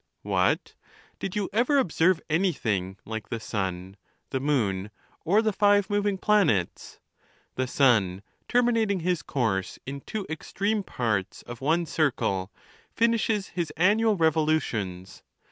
What ! did you ever observe anything like the sun, the moon, or the five moving planets? Tlie sun, terminating his course in two extreme parts of one circle,' finishes his annual revolutions.